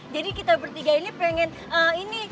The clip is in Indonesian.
jadi kita bertiga ini pengen ini